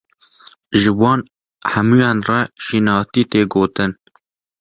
Ji wan hemûyan re şînatî tê gotin.